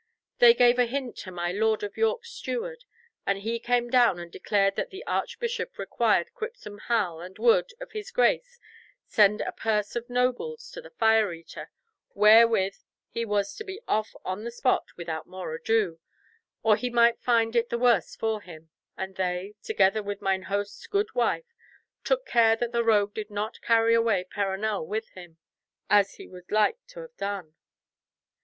They gave a hint to my Lord of York's steward, and he came down and declared that the Archbishop required Quipsome Hal, and would—of his grace—send a purse of nobles to the Fire eater, wherewith he was to be off on the spot without more ado, or he might find it the worse for him, and they, together with mine host's good wife, took care that the rogue did not carry away Perronel with him, as he was like to have done.